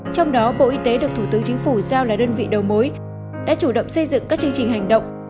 trong đó bộ y tế được thủ tướng chính phủ giao là đơn vị đầu mối đã chủ động xây dựng các chương trình hành động